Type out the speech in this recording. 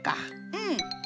うん。